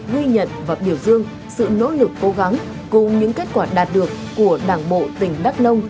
ghi nhận và biểu dương sự nỗ lực cố gắng cùng những kết quả đạt được của đảng bộ tỉnh đắk nông